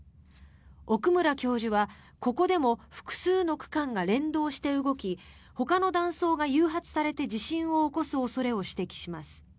奥村教授はここでも複数の区間が連動して動きほかの断層が誘発されて地震を起こす恐れを指摘します。